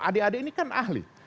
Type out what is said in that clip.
adik adik ini kan ahli